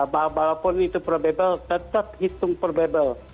bahwa pun itu probable tetap hitung probable